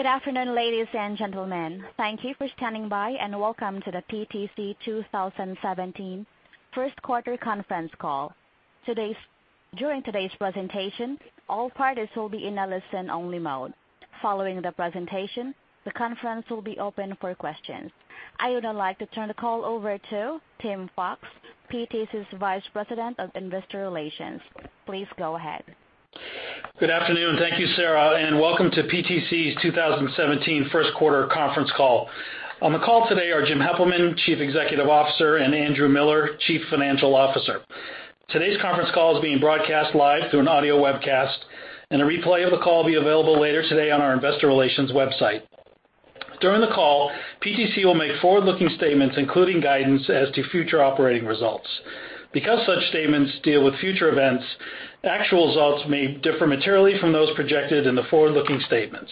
Good afternoon, ladies and gentlemen. Thank you for standing by, and welcome to the PTC 2017 first quarter conference call. During today's presentation, all parties will be in a listen-only mode. Following the presentation, the conference will be open for questions. I would now like to turn the call over to Tim Fox, PTC's Vice President of Investor Relations. Please go ahead. Good afternoon. Thank you, Sarah, and welcome to PTC's 2017 first quarter conference call. On the call today are Jim Heppelmann, Chief Executive Officer, and Andrew Miller, Chief Financial Officer. Today's conference call is being broadcast live through an audio webcast, and a replay of the call will be available later today on our investor relations website. During the call, PTC will make forward-looking statements, including guidance as to future operating results. Because such statements deal with future events, actual results may differ materially from those projected in the forward-looking statements.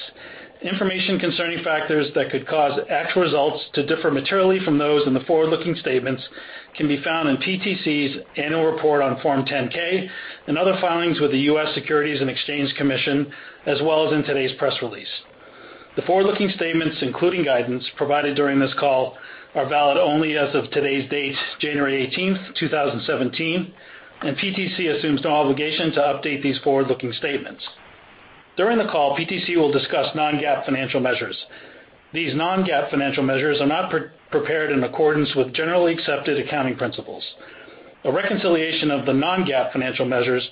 Information concerning factors that could cause actual results to differ materially from those in the forward-looking statements can be found in PTC's annual report on Form 10-K and other filings with the U.S. Securities and Exchange Commission, as well as in today's press release. The forward-looking statements, including guidance provided during this call, are valid only as of today's date, January 18th, 2017. PTC assumes no obligation to update these forward-looking statements. During the call, PTC will discuss non-GAAP financial measures. These non-GAAP financial measures are not prepared in accordance with generally accepted accounting principles. A reconciliation of the non-GAAP financial measures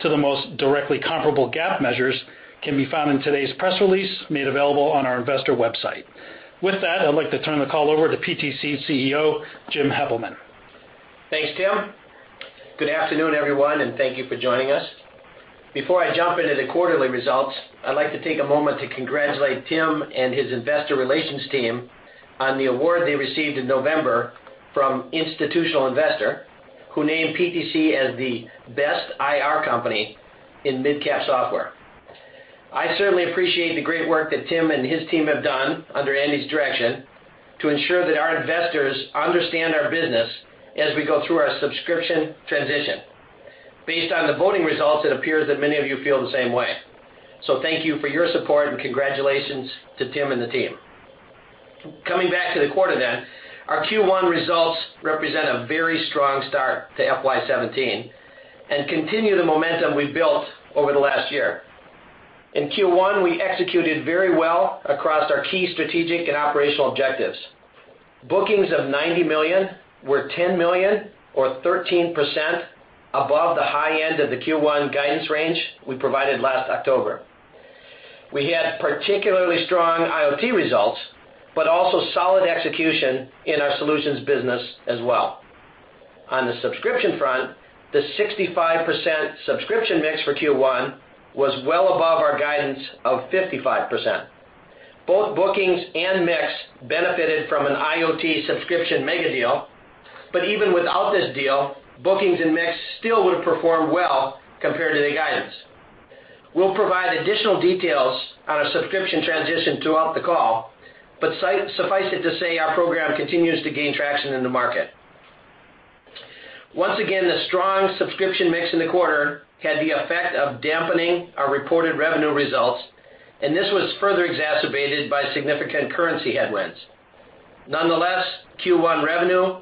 to the most directly comparable GAAP measures can be found in today's press release, made available on our investor website. With that, I'd like to turn the call over to PTC CEO, Jim Heppelmann. Thanks, Tim. Good afternoon, everyone. Thank you for joining us. Before I jump into the quarterly results, I'd like to take a moment to congratulate Tim and his investor relations team on the award they received in November from Institutional Investor, who named PTC as the best IR company in mid-cap software. I certainly appreciate the great work that Tim and his team have done under Andy's direction to ensure that our investors understand our business as we go through our subscription transition. Based on the voting results, it appears that many of you feel the same way. Thank you for your support, and congratulations to Tim and the team. Coming back to the quarter then, our Q1 results represent a very strong start to FY 2017 and continue the momentum we've built over the last year. In Q1, we executed very well across our key strategic and operational objectives. Bookings of $90 million were $10 million or 13% above the high end of the Q1 guidance range we provided last October. We had particularly strong IoT results, but also solid execution in our solutions business as well. On the subscription front, the 65% subscription mix for Q1 was well above our guidance of 55%. Both bookings and mix benefited from an IoT subscription megadeal, but even without this deal, bookings and mix still would've performed well compared to the guidance. We'll provide additional details on our subscription transition throughout the call, but suffice it to say, our program continues to gain traction in the market. Once again, the strong subscription mix in the quarter had the effect of dampening our reported revenue results, this was further exacerbated by significant currency headwinds. Nonetheless, Q1 revenue,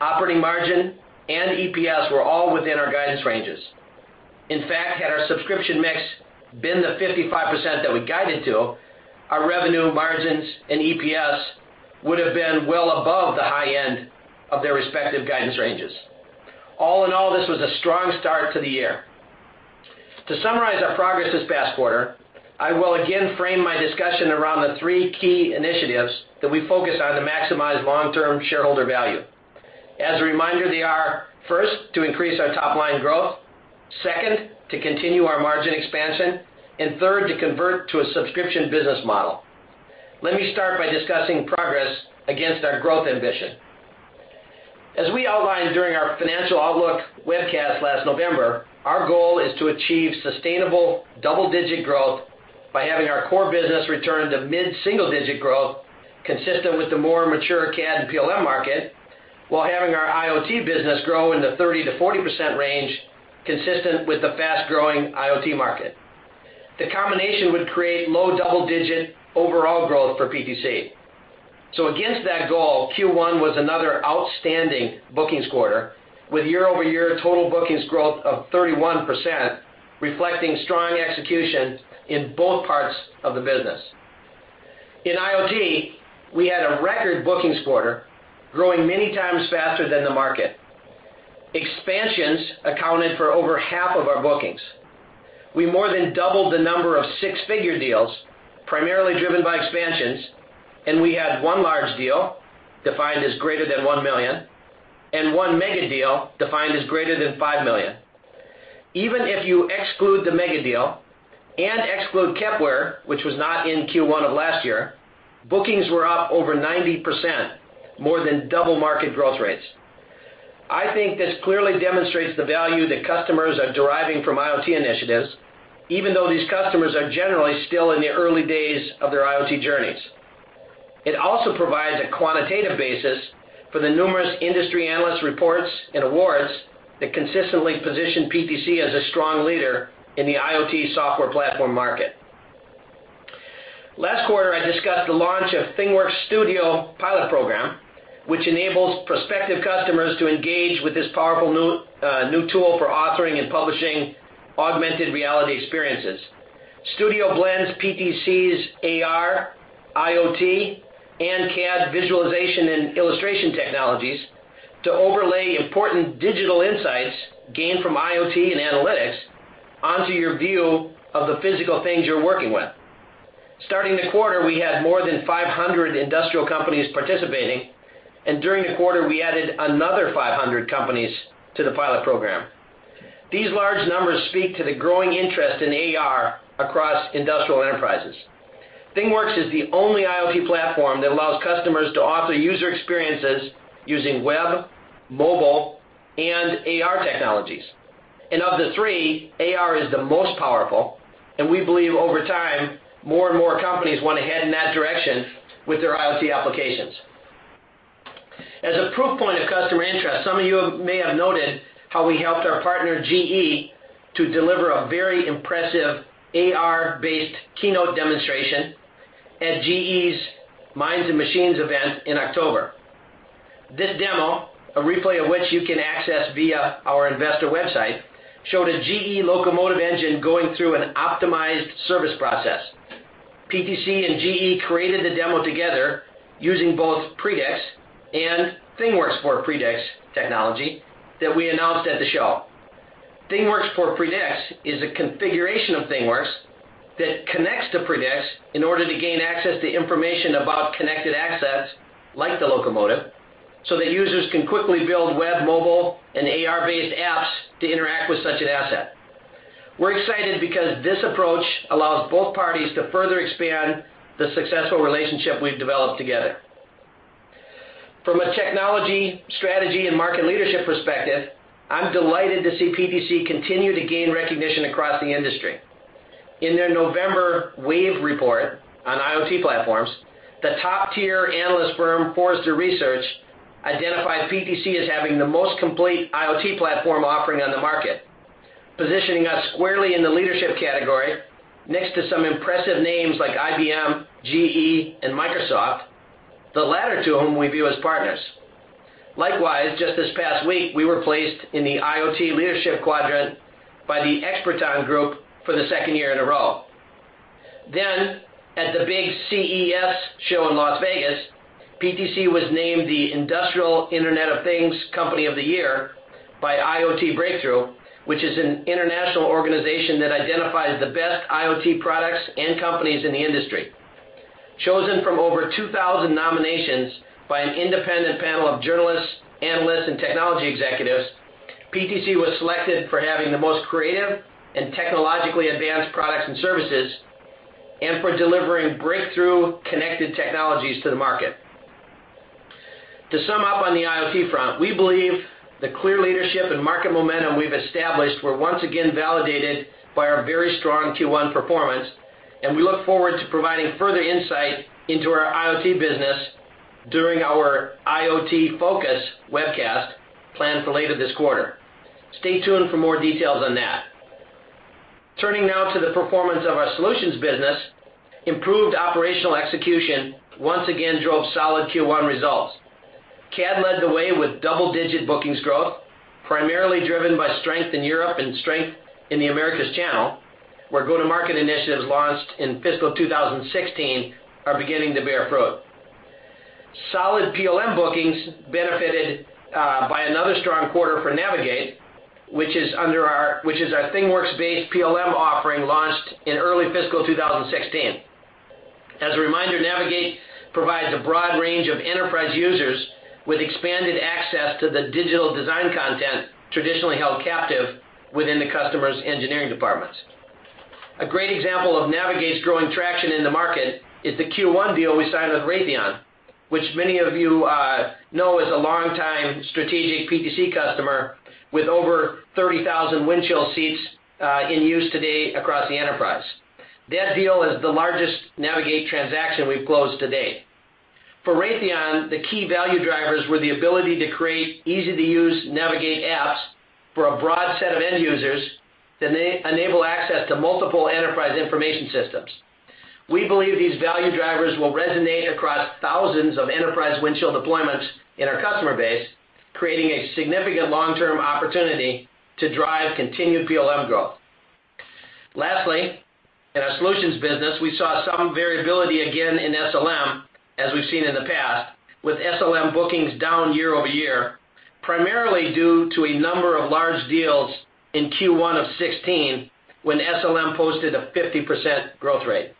operating margin, and EPS were all within our guidance ranges. In fact, had our subscription mix been the 55% that we guided to, our revenue margins and EPS would've been well above the high end of their respective guidance ranges. All in all, this was a strong start to the year. To summarize our progress this past quarter, I will again frame my discussion around the three key initiatives that we focus on to maximize long-term shareholder value. As a reminder, they are, first, to increase our top-line growth, second, to continue our margin expansion, and third, to convert to a subscription business model. Let me start by discussing progress against our growth ambition. As we outlined during our financial outlook webcast last November, our goal is to achieve sustainable double-digit growth by having our core business return to mid-single digit growth consistent with the more mature CAD and PLM market, while having our IoT business grow in the 30%-40% range consistent with the fast-growing IoT market. The combination would create low double-digit overall growth for PTC. Against that goal, Q1 was another outstanding bookings quarter with year-over-year total bookings growth of 31%, reflecting strong execution in both parts of the business. In IoT, we had a record bookings quarter growing many times faster than the market. Expansions accounted for over half of our bookings. We more than doubled the number of six-figure deals, primarily driven by expansions, and we had one large deal defined as greater than $1 million, and one megadeal defined as greater than $5 million. Even if you exclude the megadeal and exclude Kepware, which was not in Q1 of last year, bookings were up over 90%, more than double market growth rates. I think this clearly demonstrates the value that customers are deriving from IoT initiatives, even though these customers are generally still in the early days of their IoT journeys. It also provides a quantitative basis for the numerous industry analyst reports and awards that consistently position PTC as a strong leader in the IoT software platform market. Last quarter, I discussed the launch of ThingWorx Studio pilot program, which enables prospective customers to engage with this powerful new tool for authoring and publishing augmented reality experiences. Studio blends PTC's AR, IoT, and CAD visualization and illustration technologies to overlay important digital insights gained from IoT and analytics onto your view of the physical things you're working with. Starting the quarter, we had more than 500 industrial companies participating, during the quarter we added another 500 companies to the pilot program. These large numbers speak to the growing interest in AR across industrial enterprises. ThingWorx is the only IoT platform that allows customers to author user experiences using web, mobile, and AR technologies. Of the three, AR is the most powerful, and we believe over time, more and more companies want to head in that direction with their IoT applications. As a proof point of customer interest, some of you may have noted how we helped our partner, GE, to deliver a very impressive AR-based keynote demonstration at GE's Minds + Machines event in October. This demo, a replay of which you can access via our investor website, showed a GE locomotive engine going through an optimized service process. PTC and GE created the demo together using both Predix and ThingWorx for Predix technology that we announced at the show. ThingWorx for Predix is a configuration of ThingWorx that connects to Predix in order to gain access to information about connected assets like the locomotive, so that users can quickly build web, mobile, and AR-based apps to interact with such an asset. We're excited because this approach allows both parties to further expand the successful relationship we've developed together. From a technology, strategy, and market leadership perspective, I'm delighted to see PTC continue to gain recognition across the industry. In their November Forrester Wave report on IoT platforms, the top-tier analyst firm, Forrester Research, identified PTC as having the most complete IoT platform offering on the market, positioning us squarely in the leadership category next to some impressive names like IBM, GE, and Microsoft, the latter two of whom we view as partners. Likewise, just this past week, we were placed in the IoT leadership quadrant by the Experton Group for the second year in a row. At the big CES show in Las Vegas, PTC was named the Industrial Internet of Things Company of the Year by IoT Breakthrough, which is an international organization that identifies the best IoT products and companies in the industry. Chosen from over 2,000 nominations by an independent panel of journalists, analysts, and technology executives, PTC was selected for having the most creative and technologically advanced products and services, and for delivering breakthrough connected technologies to the market. To sum up on the IoT front, we believe the clear leadership and market momentum we've established were once again validated by our very strong Q1 performance, and we look forward to providing further insight into our IoT business during our IoT Focus webcast planned for later this quarter. Stay tuned for more details on that. Turning now to the performance of our solutions business, improved operational execution once again drove solid Q1 results. CAD led the way with double-digit bookings growth, primarily driven by strength in Europe and strength in the Americas channel, where go-to-market initiatives launched in fiscal 2016 are beginning to bear fruit. Solid PLM bookings benefited by another strong quarter for Navigate, which is our ThingWorx-based PLM offering launched in early fiscal 2016. As a reminder, Navigate provides a broad range of enterprise users with expanded access to the digital design content traditionally held captive within the customer's engineering departments. A great example of Navigate's growing traction in the market is the Q1 deal we signed with Raytheon, which many of you know is a longtime strategic PTC customer with over 30,000 Windchill seats in use today across the enterprise. That deal is the largest Navigate transaction we've closed to date. For Raytheon, the key value drivers were the ability to create easy-to-use Navigate apps for a broad set of end users that enable access to multiple enterprise information systems. We believe these value drivers will resonate across thousands of enterprise Windchill deployments in our customer base, creating a significant long-term opportunity to drive continued PLM growth. Lastly, in our solutions business, we saw some variability again in SLM, as we've seen in the past, with SLM bookings down year-over-year, primarily due to a number of large deals in Q1 of 2016, when SLM posted a 50% growth rate.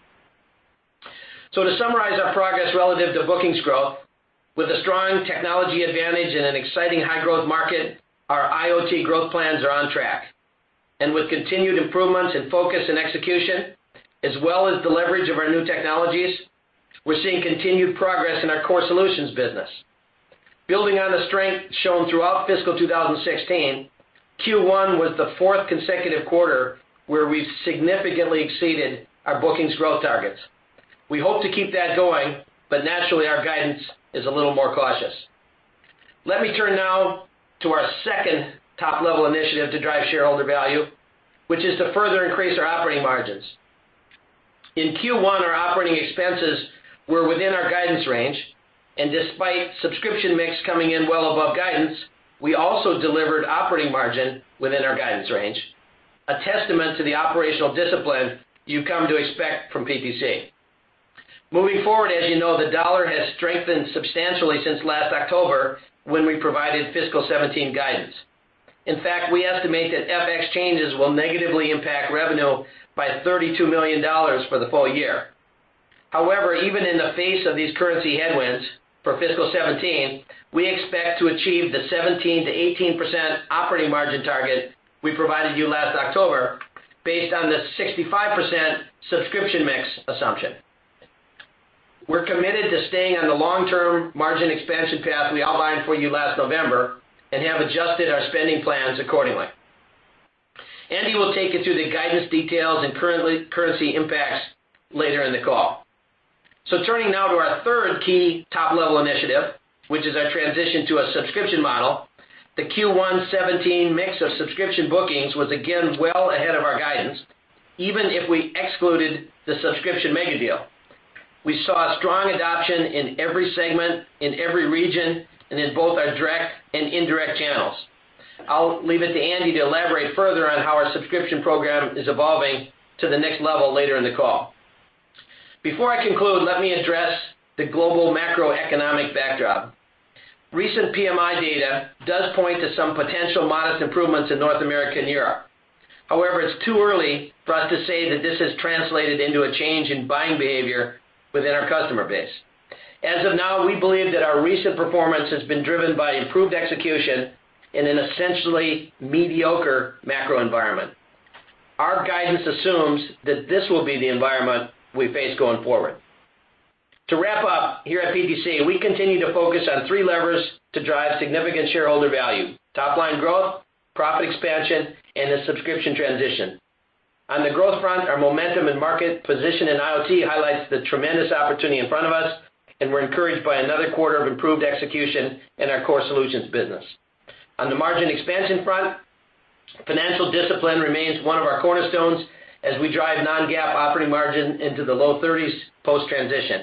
To summarize our progress relative to bookings growth, with a strong technology advantage in an exciting high-growth market, our IoT growth plans are on track. With continued improvements in focus and execution, as well as the leverage of our new technologies, we're seeing continued progress in our core solutions business. Building on the strength shown throughout fiscal 2016, Q1 was the fourth consecutive quarter where we've significantly exceeded our bookings growth targets. We hope to keep that going, but naturally, our guidance is a little more cautious. Let me turn now to our second top-level initiative to drive shareholder value, which is to further increase our operating margins. In Q1, our operating expenses were within our guidance range, and despite subscription mix coming in well above guidance, we also delivered operating margin within our guidance range, a testament to the operational discipline you've come to expect from PTC. Moving forward, as you know, the dollar has strengthened substantially since last October when we provided fiscal 2017 guidance. In fact, we estimate that FX changes will negatively impact revenue by $32 million for the full year. However, even in the face of these currency headwinds for fiscal 2017, we expect to achieve the 17%-18% operating margin target we provided you last October based on the 65% subscription mix assumption. We're committed to staying on the long-term margin expansion path we outlined for you last November and have adjusted our spending plans accordingly. Andy will take you through the guidance details and currency impacts later in the call. Turning now to our third key top-level initiative, which is our transition to a subscription model. The Q1 2017 mix of subscription bookings was again well ahead of our guidance, even if we excluded the subscription megadeal. We saw strong adoption in every segment, in every region, and in both our direct and indirect channels. I'll leave it to Andy to elaborate further on how our subscription program is evolving to the next level later in the call. Before I conclude, let me address the global macroeconomic backdrop. Recent PMI data does point to some potential modest improvements in North America and Europe. However, it's too early for us to say that this has translated into a change in buying behavior within our customer base. As of now, we believe that our recent performance has been driven by improved execution in an essentially mediocre macro environment. Our guidance assumes that this will be the environment we face going forward. To wrap up, here at PTC, we continue to focus on three levers to drive significant shareholder value, top-line growth, profit expansion, and the subscription transition. On the growth front, our momentum and market position in IoT highlights the tremendous opportunity in front of us, and we're encouraged by another quarter of improved execution in our core solutions business. On the margin expansion front, financial discipline remains one of our cornerstones as we drive non-GAAP operating margin into the low 30s post-transition.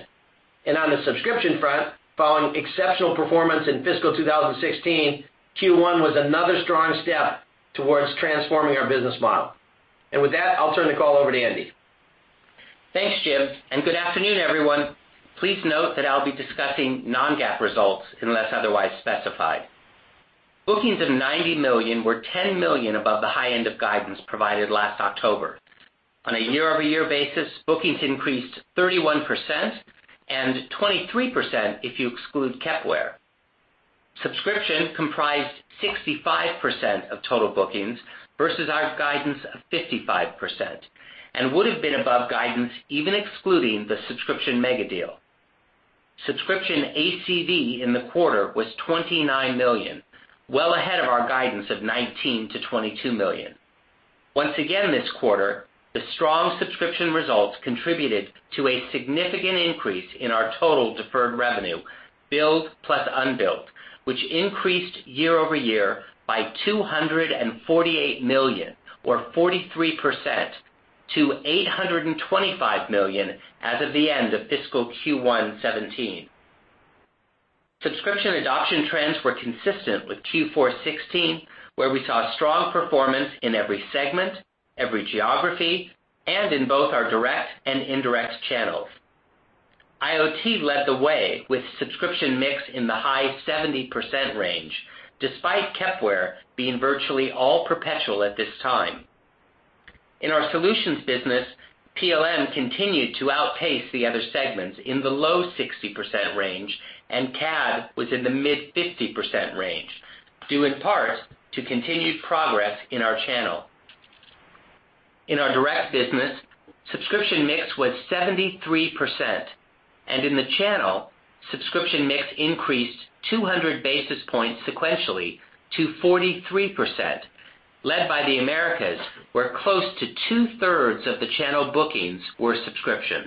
On the subscription front, following exceptional performance in fiscal 2016, Q1 was another strong step towards transforming our business model. With that, I'll turn the call over to Andy. Thanks, Jim, and good afternoon, everyone. Please note that I'll be discussing non-GAAP results unless otherwise specified. Bookings of $90 million were $10 million above the high end of guidance provided last October. On a year-over-year basis, bookings increased 31% and 23% if you exclude Kepware. Subscription comprised 65% of total bookings versus our guidance of 55% and would have been above guidance even excluding the subscription megadeal. Subscription ACV in the quarter was $29 million, well ahead of our guidance of $19-$22 million. Once again this quarter, the strong subscription results contributed to a significant increase in our total deferred revenue, billed plus unbilled, which increased year-over-year by $248 million or 43% to $825 million as of the end of fiscal Q1 2017. Subscription adoption trends were consistent with Q4 2016, where we saw strong performance in every segment, every geography, and in both our direct and indirect channels. IoT led the way with subscription mix in the high 70% range, despite Kepware being virtually all perpetual at this time. In our solutions business, PLM continued to outpace the other segments in the low 60% range, and CAD was in the mid-50% range, due in part to continued progress in our channel. In our direct business, subscription mix was 73%, and in the channel, subscription mix increased 200 basis points sequentially to 43%, led by the Americas, where close to two-thirds of the channel bookings were subscription.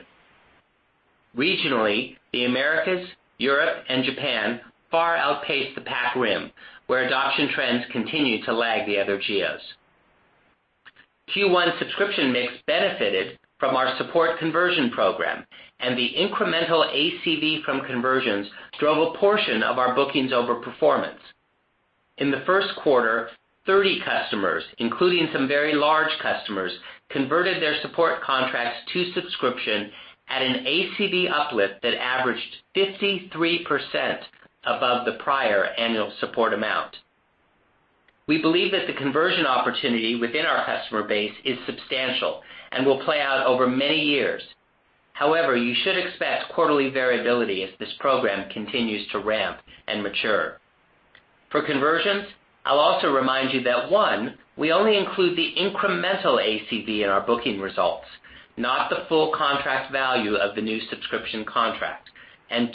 Regionally, the Americas, Europe, and Japan far outpaced the Pac Rim, where adoption trends continue to lag the other geos. Q1 subscription mix benefited from our support conversion program, the incremental ACV from conversions drove a portion of our bookings overperformance. In the first quarter, 30 customers, including some very large customers, converted their support contracts to subscription at an ACV uplift that averaged 53% above the prior annual support amount. We believe that the conversion opportunity within our customer base is substantial and will play out over many years. However, you should expect quarterly variability as this program continues to ramp and mature. For conversions, I'll also remind you that, one, we only include the incremental ACV in our booking results, not the full contract value of the new subscription contract.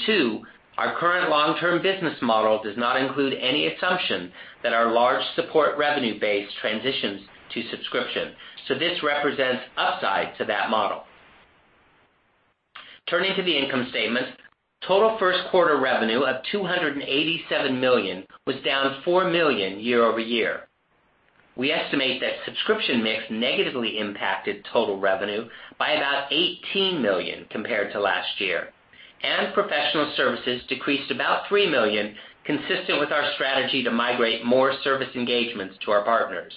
Two, our current long-term business model does not include any assumption that our large support revenue base transitions to subscription. This represents upside to that model. Turning to the income statement, total first quarter revenue of $287 million was down $4 million year-over-year. We estimate that subscription mix negatively impacted total revenue by about $18 million compared to last year, and professional services decreased about $3 million, consistent with our strategy to migrate more service engagements to our partners.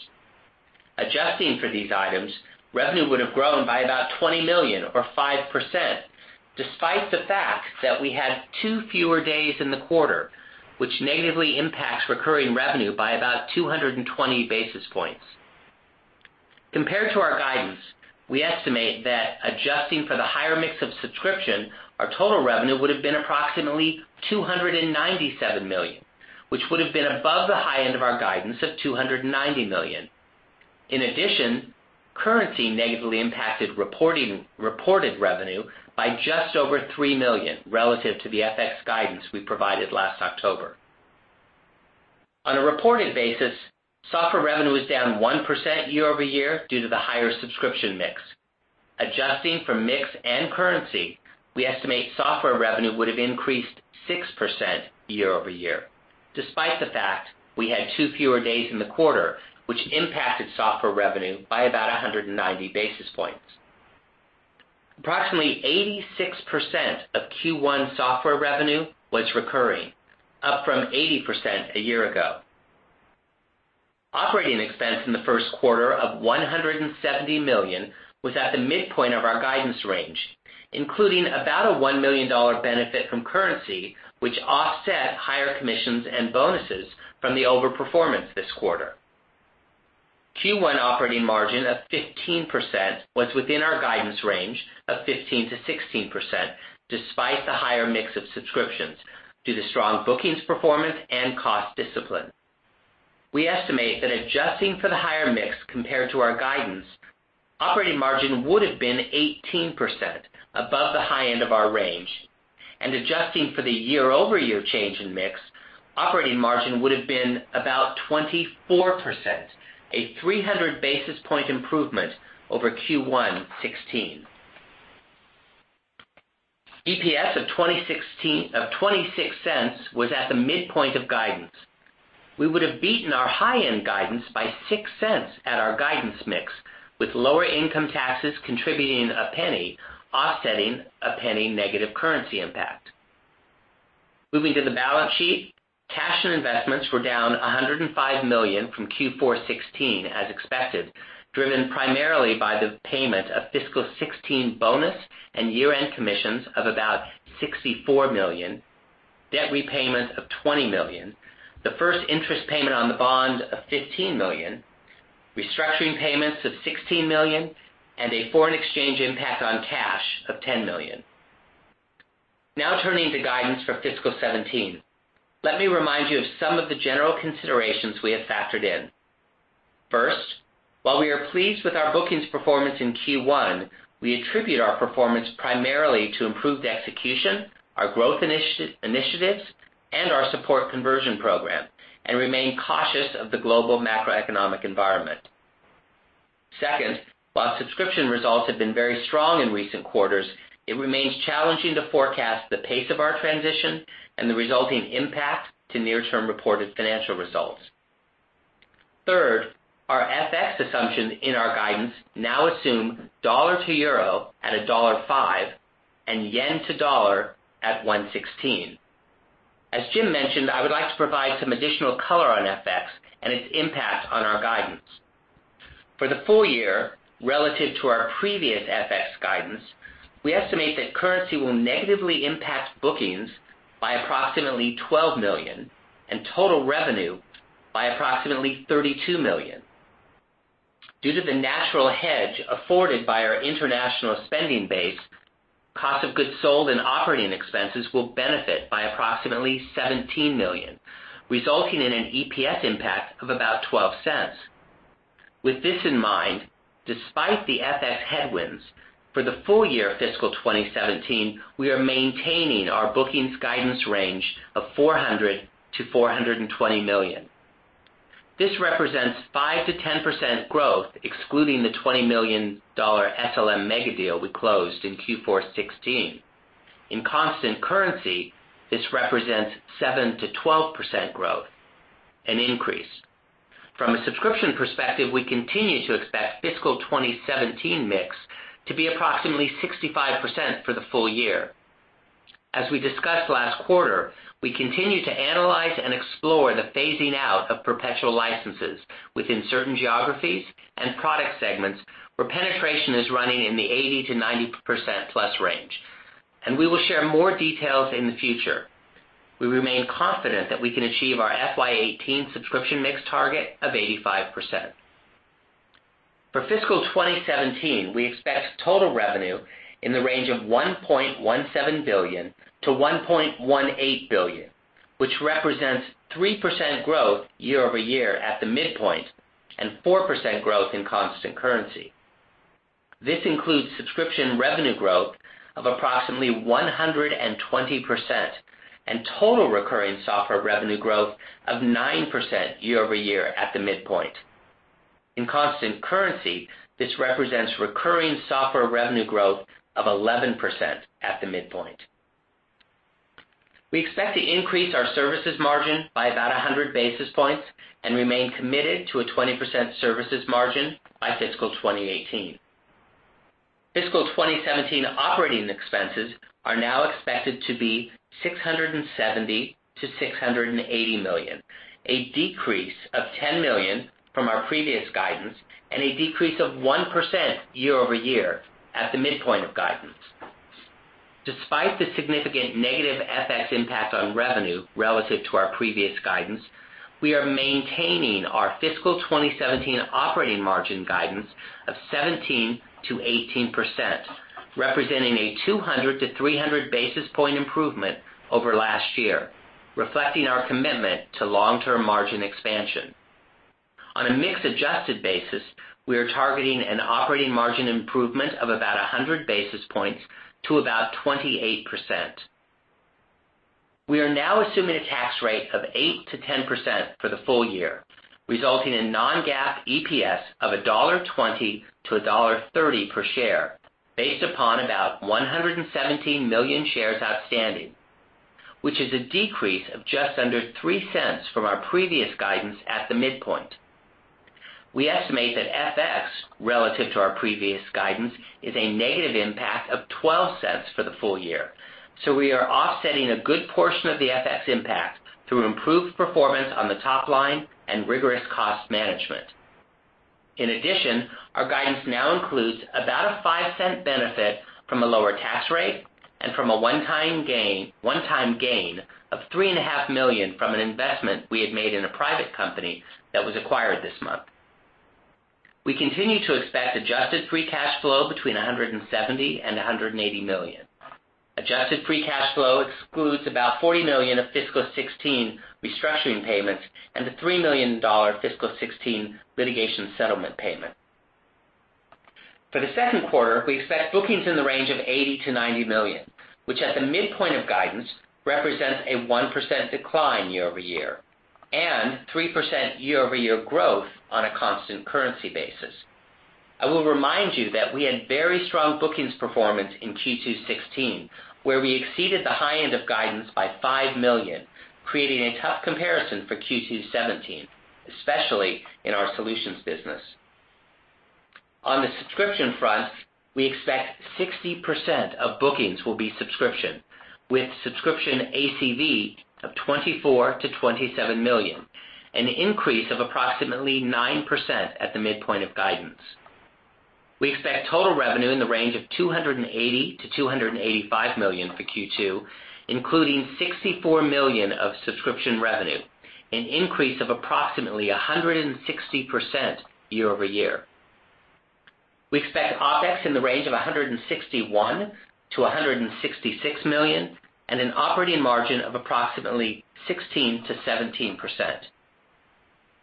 Adjusting for these items, revenue would have grown by about $20 million or 5%, despite the fact that we had two fewer days in the quarter, which negatively impacts recurring revenue by about 220 basis points. Compared to our guidance, we estimate that adjusting for the higher mix of subscription, our total revenue would have been approximately $297 million, which would have been above the high end of our guidance of $290 million. In addition, currency negatively impacted reported revenue by just over $3 million relative to the FX guidance we provided last October. On a reported basis, software revenue was down 1% year-over-year due to the higher subscription mix. Adjusting for mix and currency, we estimate software revenue would have increased 6% year-over-year, despite the fact we had two fewer days in the quarter, which impacted software revenue by about 190 basis points. Approximately 86% of Q1 software revenue was recurring, up from 80% a year ago. Operating expense in the first quarter of $170 million was at the midpoint of our guidance range, including about a $1 million benefit from currency, which offset higher commissions and bonuses from the overperformance this quarter. Q1 operating margin of 15% was within our guidance range of 15%-16%, despite the higher mix of subscriptions, due to strong bookings performance and cost discipline. We estimate that adjusting for the higher mix compared to our guidance, operating margin would have been 18%, above the high end of our range. Adjusting for the year-over-year change in mix, operating margin would have been about 24%, a 300 basis point improvement over Q1 2016. EPS of $0.26 was at the midpoint of guidance. We would have beaten our high-end guidance by $0.06 at our guidance mix, with lower income taxes contributing $0.01, offsetting a $0.01 negative currency impact. Moving to the balance sheet, cash and investments were down $105 million from Q4 2016 as expected, driven primarily by the payment of fiscal 2016 bonus and year-end commissions of about $64 million, debt repayment of $20 million, the first interest payment on the bond of $15 million, restructuring payments of $16 million, and a foreign exchange impact on cash of $10 million. Now turning to guidance for fiscal 2017. Let me remind you of some of the general considerations we have factored in. First, while we are pleased with our bookings performance in Q1, we attribute our performance primarily to improved execution, our growth initiatives, and our support conversion program, and remain cautious of the global macroeconomic environment. Second, while subscription results have been very strong in recent quarters, it remains challenging to forecast the pace of our transition and the resulting impact to near-term reported financial results. Third, our FX assumptions in our guidance now assume euro to dollar at 1.05 And yen to dollar at 116. As Jim mentioned, I would like to provide some additional color on FX and its impact on our guidance. For the full year, relative to our previous FX guidance, we estimate that currency will negatively impact bookings by approximately $12 million and total revenue by approximately $32 million. Due to the natural hedge afforded by our international spending base, cost of goods sold and operating expenses will benefit by approximately $17 million, resulting in an EPS impact of about $0.12. With this in mind, despite the FX headwinds, for the full year of fiscal 2017, we are maintaining our bookings guidance range of $400 million-$420 million. This represents 5%-10% growth, excluding the $20 million SLM megadeal we closed in Q4 2016. In constant currency, this represents 7%-12% growth, an increase. From a subscription perspective, we continue to expect fiscal 2017 mix to be approximately 65% for the full year. As we discussed last quarter, we continue to analyze and explore the phasing out of perpetual licenses within certain geographies and product segments where penetration is running in the 80%-90% plus range, and we will share more details in the future. We remain confident that we can achieve our FY 2018 subscription mix target of 85%. For fiscal 2017, we expect total revenue in the range of $1.17 billion-$1.18 billion, which represents 3% growth year-over-year at the midpoint and 4% growth in constant currency. This includes subscription revenue growth of approximately 120% and total recurring software revenue growth of 9% year-over-year at the midpoint. In constant currency, this represents recurring software revenue growth of 11% at the midpoint. We expect to increase our services margin by about 100 basis points and remain committed to a 20% services margin by fiscal 2018. Fiscal 2017 operating expenses are now expected to be $670 million-$680 million, a decrease of $10 million from our previous guidance and a decrease of 1% year-over-year at the midpoint of guidance. Despite the significant negative FX impact on revenue relative to our previous guidance, we are maintaining our fiscal 2017 operating margin guidance of 17%-18%, representing a 200-300 basis point improvement over last year, reflecting our commitment to long-term margin expansion. On a mix-adjusted basis, we are targeting an operating margin improvement of about 100 basis points to about 28%. We are now assuming a tax rate of 8%-10% for the full year, resulting in non-GAAP EPS of $1.20-$1.30 per share, based upon about 117 million shares outstanding, which is a decrease of just under $0.03 from our previous guidance at the midpoint. We estimate that FX relative to our previous guidance is a negative impact of $0.12 for the full year. We are offsetting a good portion of the FX impact through improved performance on the top line and rigorous cost management. In addition, our guidance now includes about a $0.05 benefit from a lower tax rate and from a one-time gain of $3.5 million from an investment we had made in a private company that was acquired this month. We continue to expect adjusted free cash flow between $170 million and $180 million. Adjusted free cash flow excludes about $40 million of fiscal 2016 restructuring payments and a $3 million fiscal 2016 litigation settlement payment. For the second quarter, we expect bookings in the range of $80 million to $90 million, which at the midpoint of guidance represents a 1% decline year-over-year and 3% year-over-year growth on a constant currency basis. I will remind you that we had very strong bookings performance in Q2 2016, where we exceeded the high end of guidance by $5 million, creating a tough comparison for Q2 2017, especially in our solutions business. On the subscription front, we expect 60% of bookings will be subscription, with subscription ACV of $24 million to $27 million, an increase of approximately 9% at the midpoint of guidance. We expect total revenue in the range of $280 million to $285 million for Q2, including $64 million of subscription revenue, an increase of approximately 160% year-over-year. We expect OpEx in the range of $161 million to $166 million and an operating margin of approximately 16%-17%.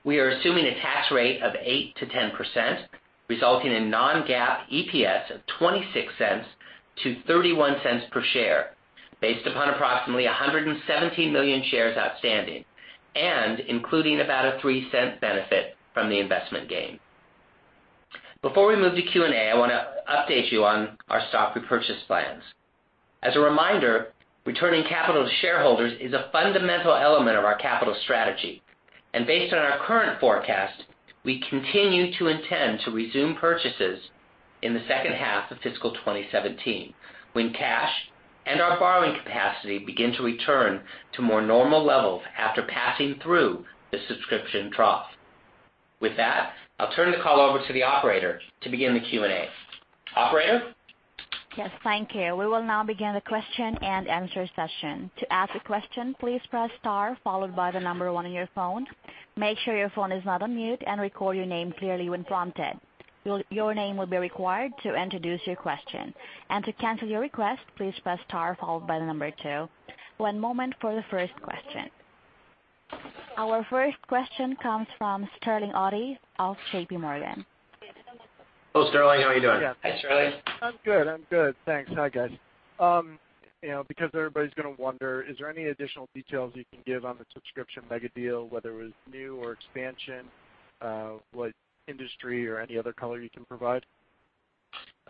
We are assuming a tax rate of 8%-10%, resulting in non-GAAP EPS of $0.26-$0.31 per share based upon approximately 117 million shares outstanding and including about a $0.03 benefit from the investment gain. Before we move to Q&A, I want to update you on our stock repurchase plans. As a reminder, returning capital to shareholders is a fundamental element of our capital strategy. Based on our current forecast, we continue to intend to resume purchases in the second half of fiscal 2017 when cash and our borrowing capacity begin to return to more normal levels after passing through the subscription trough. With that, I'll turn the call over to the operator to begin the Q&A. Operator? Yes, thank you. We will now begin the question and answer session. To ask a question, please press star followed by the number 1 on your phone. Make sure your phone is not on mute and record your name clearly when prompted. Your name will be required to introduce your question. To cancel your request, please press star followed by the number 2. One moment for the first question. Our first question comes from Sterling Auty of JPMorgan. Hello, Sterling. How are you doing? Hi, Sterling. I'm good. Thanks. Hi, guys. Everybody's going to wonder, is there any additional details you can give on the subscription mega deal, whether it was new or expansion, what industry or any other color you can provide?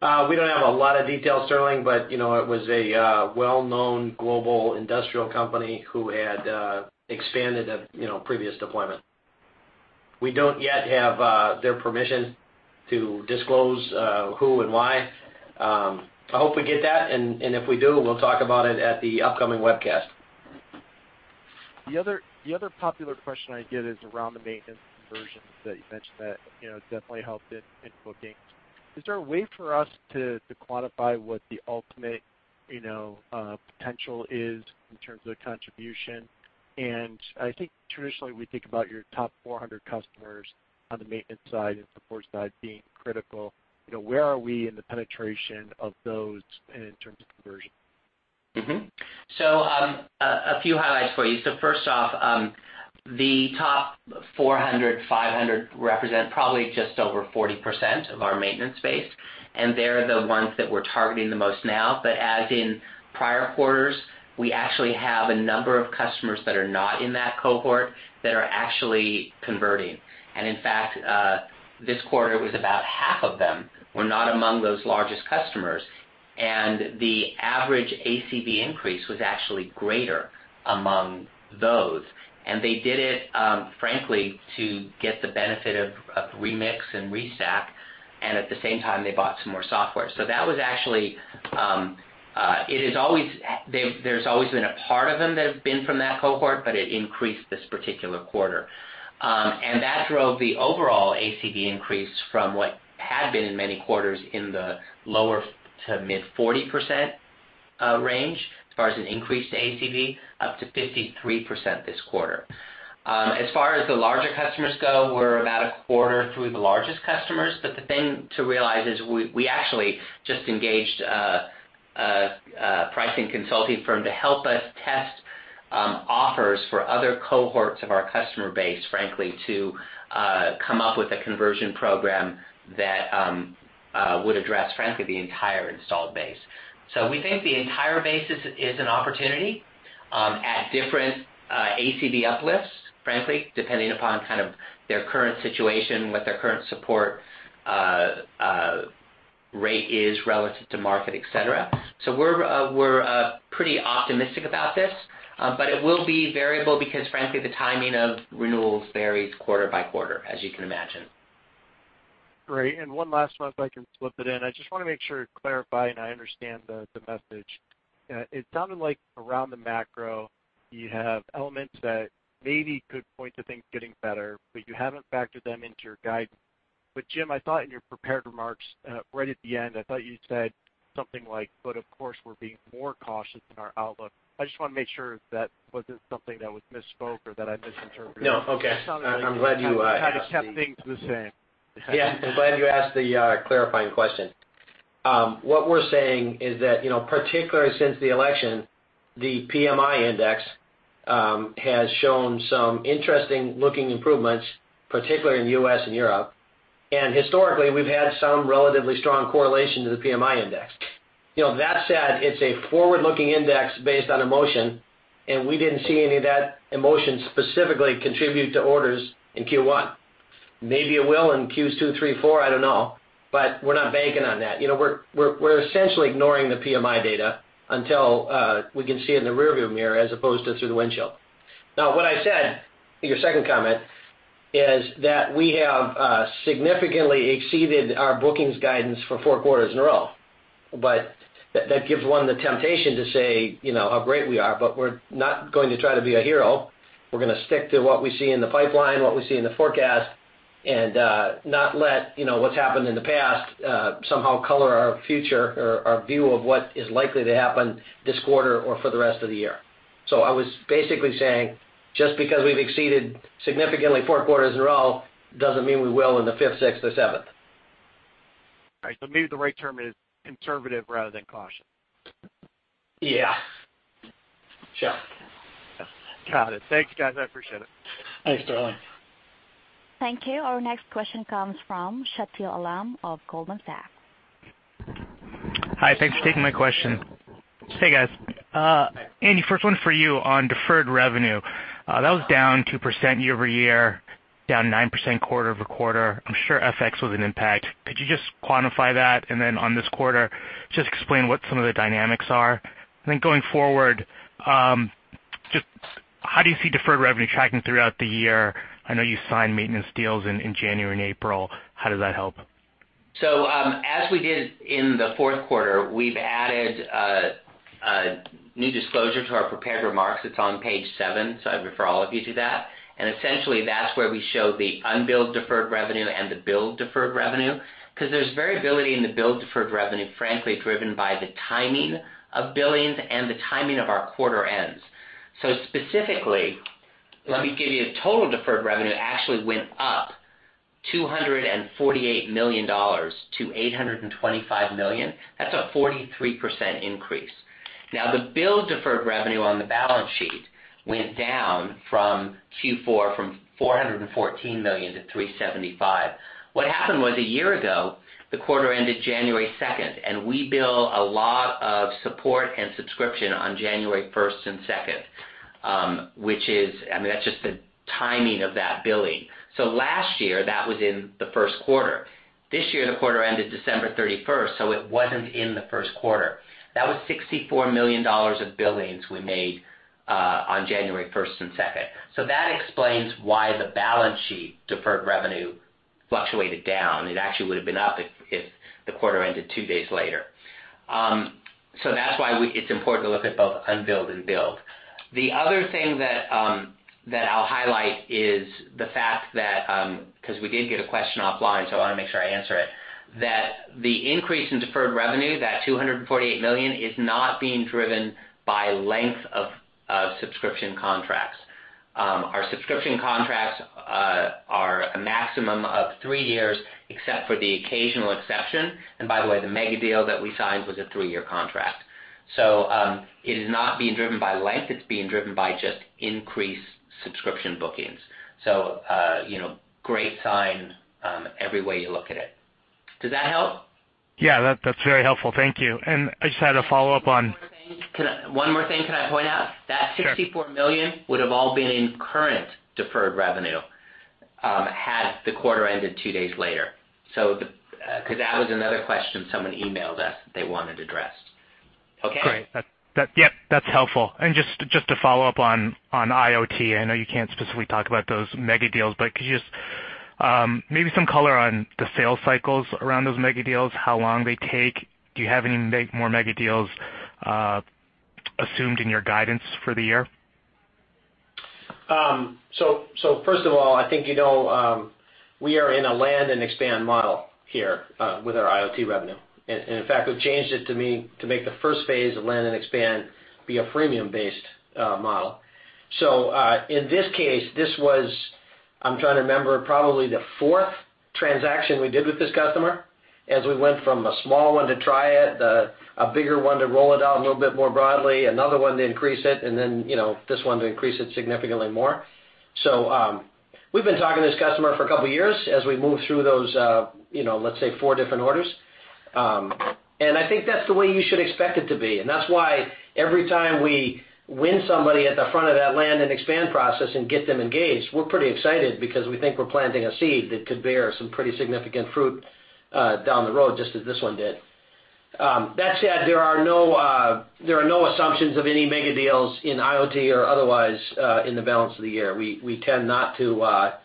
We don't have a lot of details, Sterling, it was a well-known global industrial company who had expanded a previous deployment. We don't yet have their permission to disclose who and why. I hope we get that, if we do, we'll talk about it at the upcoming webcast. The other popular question I get is around the maintenance conversions that you mentioned that definitely helped in bookings. Is there a way for us to quantify what the ultimate potential is in terms of contribution? I think traditionally, we think about your top 400 customers on the maintenance side and support side being critical. Where are we in the penetration of those in terms of conversion? A few highlights for you. First off, the top 400, 500 represent probably just over 40% of our maintenance base, and they're the ones that we're targeting the most now. As in prior quarters, we actually have a number of customers that are not in that cohort that are actually converting. In fact, this quarter it was about half of them were not among those largest customers. The average ACV increase was actually greater among those. They did it, frankly, to get the benefit of Remix and ReSac, and at the same time, they bought some more software. There's always been a part of them that have been from that cohort, but it increased this particular quarter. That drove the overall ACV increase from what had been in many quarters in the lower to mid 40% range, as far as an increase to ACV, up to 53% this quarter. As far as the larger customers go, we're about a quarter through the largest customers, the thing to realize is we actually just engaged a pricing consulting firm to help us test offers for other cohorts of our customer base, frankly, to come up with a conversion program that would address, frankly, the entire installed base. We think the entire base is an opportunity at different ACV uplifts, frankly, depending upon kind of their current situation, what their current support rate is relative to market, et cetera. We're pretty optimistic about this. It will be variable because, frankly, the timing of renewals varies quarter by quarter, as you can imagine. Great. One last one, if I can slip it in. I just want to make sure to clarify, I understand the message. It sounded like around the macro, you have elements that maybe could point to things getting better, you haven't factored them into your guidance. Jim, I thought in your prepared remarks, right at the end, I thought you said something like, "But of course, we're being more cautious in our outlook." I just want to make sure that wasn't something that was misspoke or that I misinterpreted. No. Okay. It sounded like you- I'm glad you- kind of kept things the same. Yeah, I'm glad you asked the clarifying question. What we're saying is that, particularly since the election, the PMI index has shown some interesting-looking improvements, particularly in the U.S. and Europe. Historically, we've had some relatively strong correlation to the PMI index. That said, it's a forward-looking index based on emotion, and we didn't see any of that emotion specifically contribute to orders in Q1. Maybe it will in Qs two, three, four, I don't know. We're not banking on that. We're essentially ignoring the PMI data until we can see it in the rear view mirror as opposed to through the windshield. What I said, your second comment, is that we have significantly exceeded our bookings guidance for four quarters in a row. That gives one the temptation to say how great we are, but we're not going to try to be a hero. We're going to stick to what we see in the pipeline, what we see in the forecast, and not let what's happened in the past somehow color our future or our view of what is likely to happen this quarter or for the rest of the year. I was basically saying, just because we've exceeded significantly four quarters in a row doesn't mean we will in the fifth, sixth, or seventh. All right. Maybe the right term is conservative rather than cautious. Yeah. Sure. Got it. Thanks, guys. I appreciate it. Thanks, Sterling. Thank you. Our next question comes from Shateel Alam of Goldman Sachs. Hi, thanks for taking my question. Hey, guys. Andy, first one for you on deferred revenue. That was down 2% year-over-year, down 9% quarter-over-quarter. I'm sure FX was an impact. Could you just quantify that? On this quarter, just explain what some of the dynamics are. Going forward, just how do you see deferred revenue tracking throughout the year? I know you signed maintenance deals in January and April. How does that help? As we did in the fourth quarter, we've added a new disclosure to our prepared remarks. It's on page seven, so I refer all of you to that. Essentially, that's where we show the unbilled deferred revenue and the billed deferred revenue, because there's variability in the billed deferred revenue, frankly, driven by the timing of billings and the timing of our quarter ends. Specifically, let me give you, total deferred revenue actually went up $248 million to $825 million. That's a 43% increase. The billed deferred revenue on the balance sheet went down from Q4 from $414 million to $375 million. What happened was a year ago, the quarter ended January 2nd, and we bill a lot of support and subscription on January 1st and 2nd, which is, I mean, that's just the timing of that billing. Last year, that was in the first quarter. This year, the quarter ended December 31st, so it wasn't in the first quarter. That was $64 million of billings we made on January 1st and 2nd. That explains why the balance sheet deferred revenue fluctuated down. It actually would've been up if the quarter ended two days later. That's why it's important to look at both unbilled and billed. The other thing that I'll highlight is the fact that, because we did get a question offline, I want to make sure I answer it, that the increase in deferred revenue, that $248 million, is not being driven by length of subscription contracts. Our subscription contracts are a maximum of three years, except for the occasional exception. By the way, the mega deal that we signed was a three-year contract. It is not being driven by length, it's being driven by just increased subscription bookings. Great sign every way you look at it. Does that help? Yeah. That's very helpful. Thank you. I just had a follow-up. One more thing can I point out? Sure. That $64 million would've all been in current deferred revenue had the quarter ended two days later. That was another question someone emailed us that they wanted addressed. Okay? Great. Yep, that's helpful. Just to follow up on IoT, I know you can't specifically talk about those mega deals, but could you just, maybe some color on the sales cycles around those mega deals, how long they take? Do you have any more mega deals assumed in your guidance for the year? First of all, I think you know we are in a land and expand model here with our IoT revenue. In fact, we've changed it to make the first phase of land and expand be a freemium-based model. In this case, this was, I'm trying to remember, probably the fourth transaction we did with this customer, as we went from a small one to try it, a bigger one to roll it out a little bit more broadly, another one to increase it, then this one to increase it significantly more. We've been talking to this customer for a couple of years as we move through those, let's say four different orders. I think that's the way you should expect it to be. That's why every time we win somebody at the front of that land and expand process and get them engaged, we're pretty excited because we think we're planting a seed that could bear some pretty significant fruit down the road, just as this one did. That said, there are no assumptions of any mega deals in IoT or otherwise in the balance of the year. We tend not to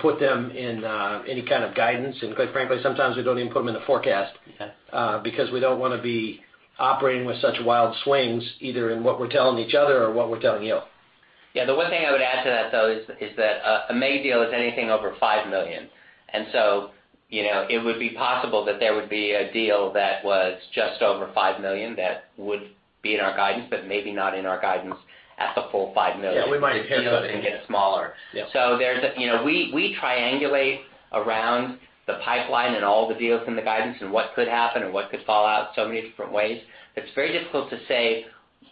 put them in any kind of guidance. Quite frankly, sometimes we don't even put them in the forecast. Yeah we don't want to be operating with such wild swings, either in what we're telling each other or what we're telling you. Yeah, the one thing I would add to that, though, is that a mega deal is anything over $5 million. So, it would be possible that there would be a deal that was just over $5 million that would be in our guidance, but maybe not in our guidance at the full $5 million. Yeah, we might have hit that and get- get smaller. Yeah. We triangulate around the pipeline and all the deals in the guidance and what could happen and what could fall out so many different ways. It's very difficult to say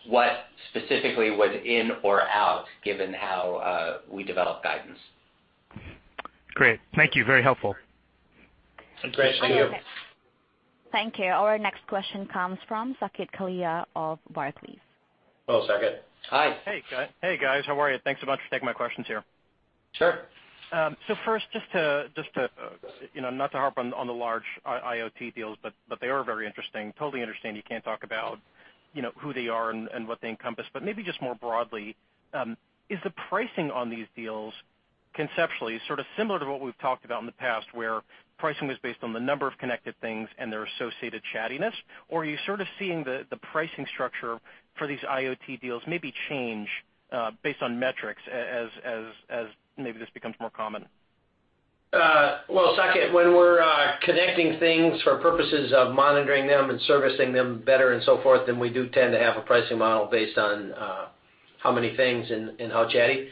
what specifically was in or out given how we develop guidance. Great. Thank you. Very helpful. Great. Thank you. Thank you. Thank you. Our next question comes from Saket Kalia of Barclays. Hello, Saket. Hi. Hey, guys. How are you? Thanks a bunch for taking my questions here. Sure. First, not to harp on the large IoT deals, but they are very interesting. Totally understand you can't talk about who they are and what they encompass, but maybe just more broadly, is the pricing on these deals conceptually sort of similar to what we've talked about in the past, where pricing was based on the number of connected things and their associated chattiness, or are you sort of seeing the pricing structure for these IoT deals maybe change based on metrics as maybe this becomes more common? Saket, when we're connecting things for purposes of monitoring them and servicing them better and so forth, we do tend to have a pricing model based on how many things and how chatty.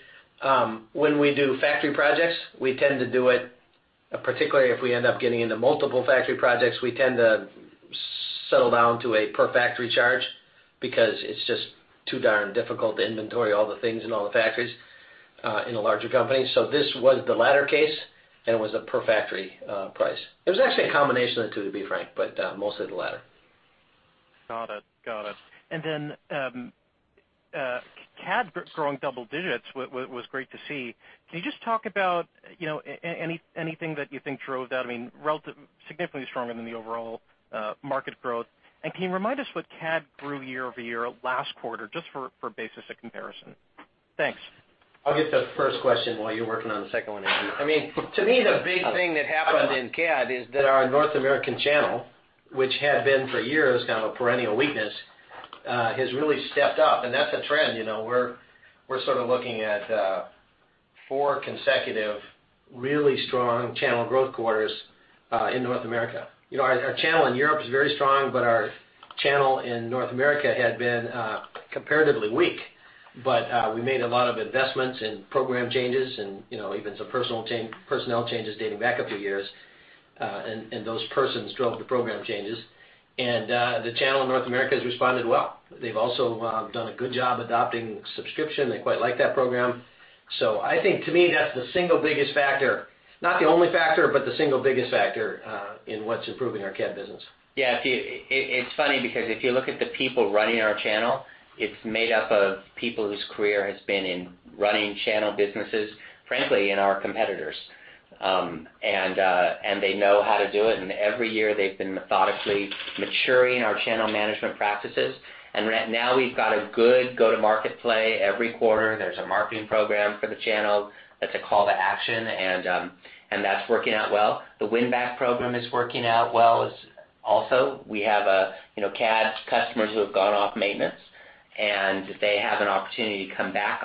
When we do factory projects, we tend to do it, particularly if we end up getting into multiple factory projects, we tend to settle down to a per factory charge because it's just too darn difficult to inventory all the things and all the factories in a larger company. This was the latter case, and it was a per factory price. It was actually a combination of the two, to be frank, but mostly the latter. Got it. CAD growing double digits was great to see. Can you just talk about anything that you think drove that? Significantly stronger than the overall market growth. Can you remind us what CAD grew year-over-year last quarter, just for basis of comparison? Thanks. I'll get the first question while you're working on the second one, Andrew. To me, the big thing that happened in CAD is that our North American channel, which had been for years kind of a perennial weakness, has really stepped up, and that's a trend. We're sort of looking at four consecutive really strong channel growth quarters, in North America. Our channel in Europe is very strong, but our channel in North America had been comparatively weak. We made a lot of investments and program changes and even some personnel changes dating back a few years. Those persons drove the program changes, and the channel in North America has responded well. They've also done a good job adopting subscription. They quite like that program. I think to me, that's the single biggest factor. Not the only factor, but the single biggest factor in what's improving our CAD business. Yeah, it's funny because if you look at the people running our channel, it's made up of people whose career has been in running channel businesses, frankly, in our competitors. They know how to do it, and every year they've been methodically maturing our channel management practices. Now we've got a good go-to-market play every quarter. There's a marketing program for the channel that's a call to action, and that's working out well. The win-back program is working out well as Also, we have CAD customers who have gone off maintenance, and they have an opportunity to come back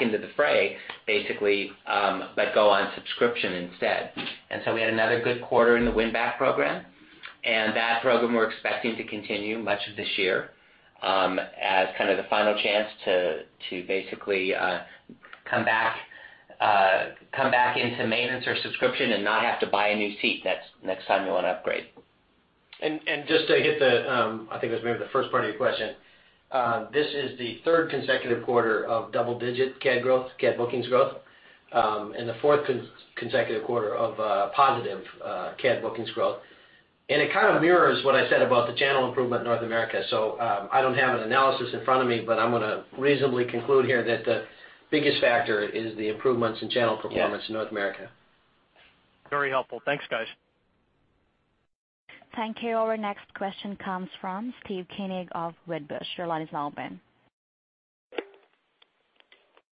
into the fray, basically, but go on subscription instead. We had another good quarter in the win-back program. That program we're expecting to continue much of this year as kind of the final chance to basically come back into maintenance or subscription and not have to buy a new seat next time you want to upgrade. Just to hit the, I think it was maybe the first part of your question. This is the third consecutive quarter of double-digit CAD growth, CAD bookings growth, and the fourth consecutive quarter of positive CAD bookings growth. It kind of mirrors what I said about the channel improvement in North America. I don't have an analysis in front of me, but I'm going to reasonably conclude here that the biggest factor is the improvements in channel performance in North America. Very helpful. Thanks, guys. Thank you. Our next question comes from Steve Koenig of Wedbush. Your line is now open.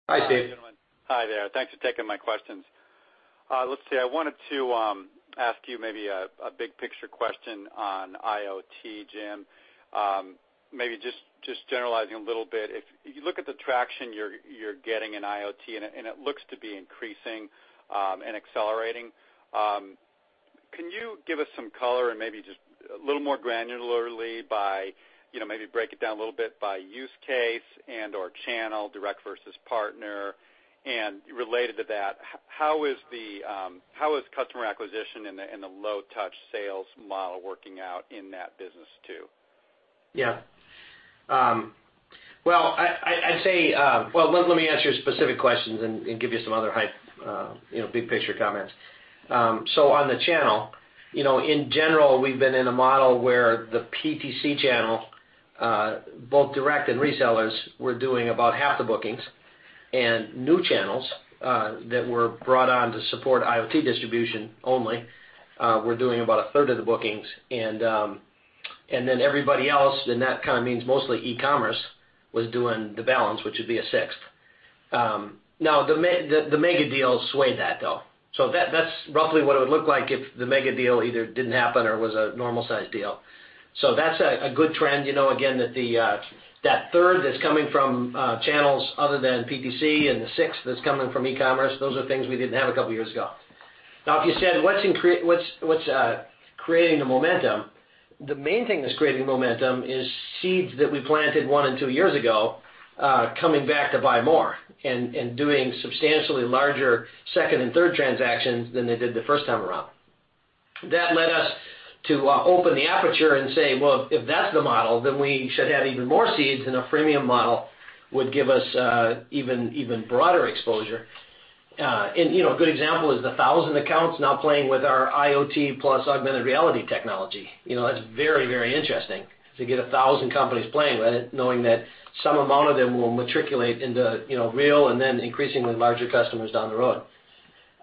Hi, Steve. Hi, gentlemen. Hi there. Thanks for taking my questions. Let's see. I wanted to ask you maybe a big picture question on IoT, Jim. Maybe just generalizing a little bit. If you look at the traction you're getting in IoT, it looks to be increasing and accelerating, can you give us some color and maybe just a little more granularly by maybe break it down a little bit by use case and/or channel, direct versus partner? Related to that, how is customer acquisition in the low touch sales model working out in that business too? Yeah. Well, let me answer your specific questions and give you some other high big picture comments. On the channel, in general, we've been in a model where the PTC channel, both direct and resellers, were doing about half the bookings. New channels that were brought on to support IoT distribution only were doing about a third of the bookings. Everybody else, and that kind of means mostly e-commerce, was doing the balance, which would be a sixth. The mega deal swayed that, though. That's roughly what it would look like if the mega deal either didn't happen or was a normal size deal. That's a good trend. Again, that third that's coming from channels other than PTC and the sixth that's coming from e-commerce, those are things we didn't have a couple of years ago. If you said, what's creating the momentum? The main thing that's creating the momentum is seeds that we planted one and two years ago coming back to buy more and doing substantially larger second and third transactions than they did the first time around. That led us to open the aperture and say, well, if that's the model, then we should have even more seeds, a freemium model would give us even broader exposure. A good example is the 1,000 accounts now playing with our IoT plus augmented reality technology. That's very interesting to get 1,000 companies playing with it, knowing that some amount of them will matriculate into real and then increasingly larger customers down the road.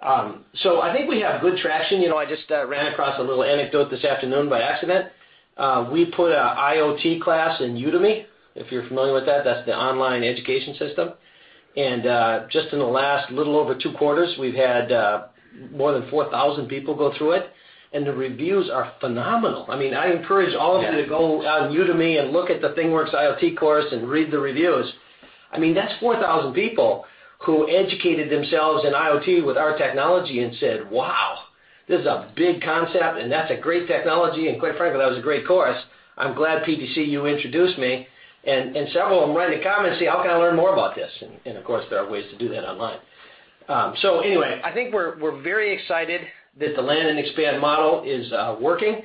I think we have good traction. I just ran across a little anecdote this afternoon by accident. We put an IoT class in Udemy, if you're familiar with that. That's the online education system. Just in the last little over two quarters, we've had more than 4,000 people go through it, and the reviews are phenomenal. I encourage all of you to go on Udemy and look at the ThingWorx IoT course and read the reviews. That's 4,000 people who educated themselves in IoT with our technology and said, "Wow, this is a big concept, that's a great technology. Quite frankly, that was a great course. I'm glad PTCU introduced me." Several of them write in the comments, "How can I learn more about this?" Of course, there are ways to do that online. Anyway, I think we're very excited that the land and expand model is working.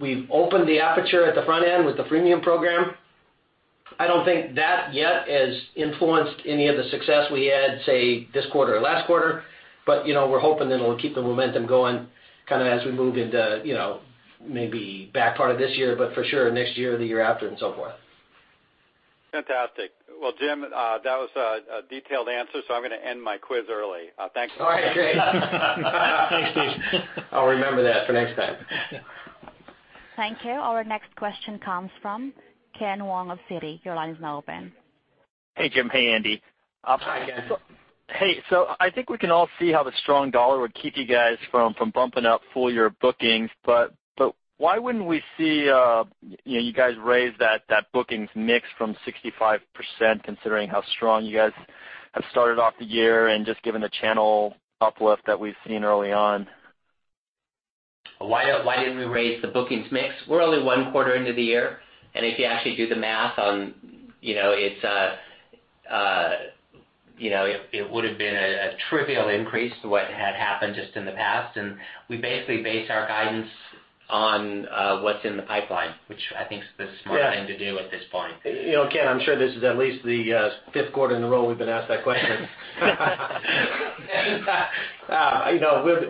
We've opened the aperture at the front end with the freemium program. I don't think that yet has influenced any of the success we had, say, this quarter or last quarter, but we're hoping that it'll keep the momentum going kind of as we move into maybe back part of this year, but for sure next year or the year after and so forth. Fantastic. Well, Jim, that was a detailed answer, so I'm going to end my quiz early. Thanks. All right, great. Thanks, Steve. I'll remember that for next time. Thank you. Our next question comes from Ken Wong of Citi. Your line is now open. Hey, Jim. Hey, Andy. Hi, Ken. I think we can all see how the strong dollar would keep you guys from bumping up full year bookings. Why wouldn't we see you guys raise that bookings mix from 65%, considering how strong you guys have started off the year and just given the channel uplift that we've seen early on? Why didn't we raise the bookings mix? We're only one quarter into the year. If you actually do the math on it would've been a trivial increase to what had happened just in the past. We basically base our guidance on what's in the pipeline, which I think is the smart thing to do at this point. Ken, I'm sure this is at least the fifth quarter in a row we've been asked that question.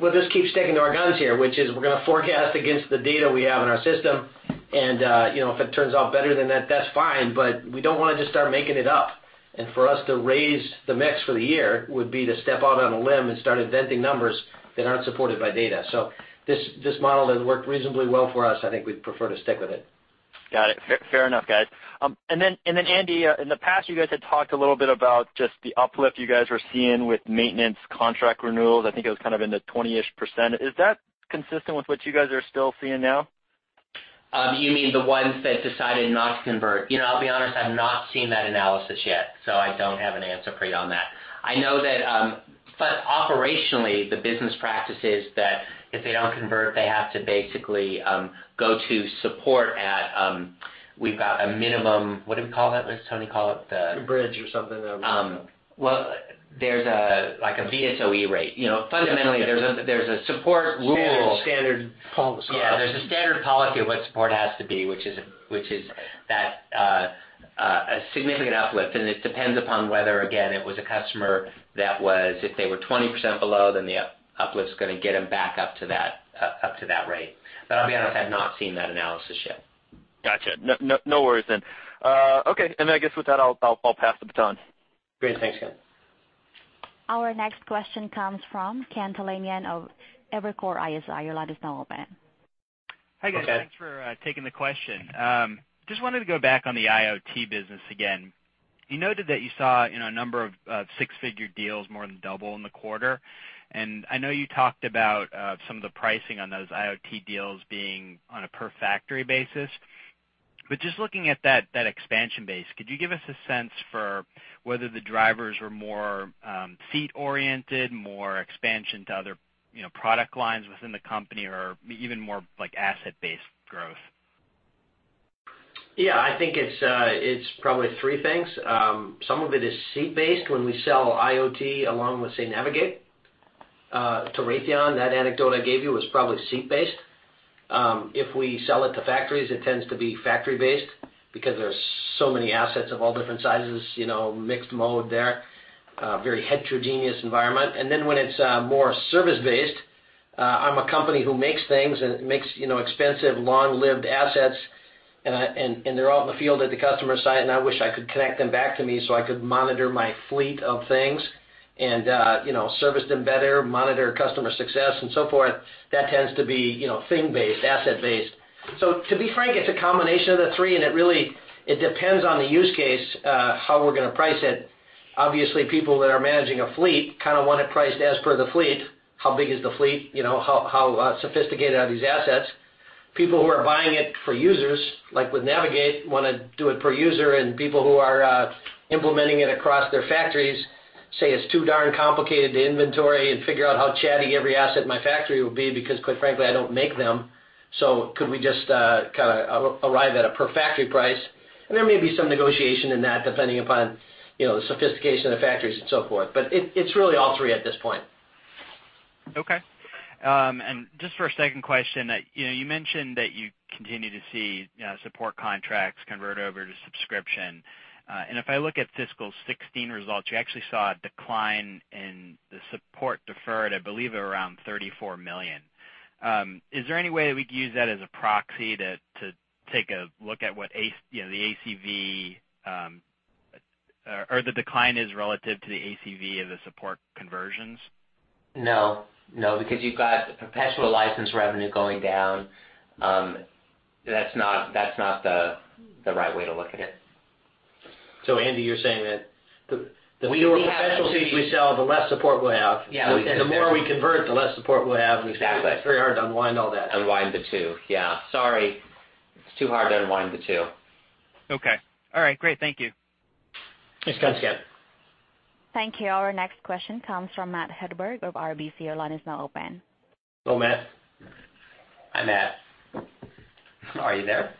We'll just keep sticking to our guns here, which is we're going to forecast against the data we have in our system. If it turns out better than that's fine. We don't want to just start making it up. For us to raise the mix for the year would be to step out on a limb and start inventing numbers that aren't supported by data. This model has worked reasonably well for us. I think we'd prefer to stick with it. Got it. Fair enough, guys. Andy, in the past you guys had talked a little bit about just the uplift you guys were seeing with maintenance contract renewals. I think it was kind of in the 20-ish%. Is that consistent with what you guys are still seeing now? You mean the ones that decided not to convert? I'll be honest, I've not seen that analysis yet. I don't have an answer, Ken, on that. I know that operationally the business practice is that if they don't convert, they have to basically go to support at, we've got a minimum. What do we call that, what does Tony call it? The bridge or something Well, there's like a VSOE rate. Fundamentally, there's a support rule. Standard policy. Yeah. There's a standard policy of what support has to be, which is that a significant uplift, and it depends upon whether, again, it was a customer that was, if they were 20% below, then the uplift's going to get them back up to that rate. I'll be honest, I have not seen that analysis yet. Got you. No worries then. Okay. I guess with that, I'll pass the baton. Great. Thanks, guys. Our next question comes from Ken Talanian of Evercore ISI. Your line is now open. Hi, guys. Okay. Thanks for taking the question. Just wanted to go back on the IoT business again. You noted that you saw in a number of six-figure deals more than double in the quarter. I know you talked about some of the pricing on those IoT deals being on a per factory basis. Just looking at that expansion base, could you give us a sense for whether the drivers were more seat oriented, more expansion to other product lines within the company, or even more asset-based growth? Yeah, I think it's probably three things. Some of it is seat-based. When we sell IoT along with, say, Navigate to Raytheon, that anecdote I gave you was probably seat-based. If we sell it to factories, it tends to be factory-based because there's so many assets of all different sizes, mixed mode there. A very heterogeneous environment. Then when it's more service-based, I'm a company who makes things and makes expensive long-lived assets, and they're all in the field at the customer site, and I wish I could connect them back to me so I could monitor my fleet of things and service them better, monitor customer success, and so forth. That tends to be thing-based, asset-based. To be frank, it's a combination of the three, and it really depends on the use case how we're going to price it. Obviously, people that are managing a fleet kind of want it priced as per the fleet. How big is the fleet? How sophisticated are these assets? People who are buying it for users, like with Navigate, want to do it per user. People who are implementing it across their factories say it's too darn complicated to inventory and figure out how chatty every asset in my factory will be, because quite frankly, I don't make them. Could we just kind of arrive at a per factory price? There may be some negotiation in that, depending upon the sophistication of the factories and so forth. It's really all three at this point. Okay. Just for a second question. You mentioned that you continue to see support contracts convert over to subscription. If I look at fiscal 2016 results, you actually saw a decline in the support deferred, I believe, around $34 million. Is there any way that we could use that as a proxy to take a look at what the ACV or the decline is relative to the ACV of the support conversions? No. No, you've got the perpetual license revenue going down. That's not the right way to look at it. Andy, you're saying that the- We have to be- more perpetual seats we sell, the less support we'll have. Yeah. The more we convert, the less support we'll have. Exactly It's very hard to unwind all that. Unwind the two. Yeah. Sorry. It's too hard to unwind the two. Okay. All right, great. Thank you. Thanks, Ken. Thank you. Our next question comes from Matt Hedberg of RBC. Your line is now open. Hello, Matt. Hi, Matt. Are you there?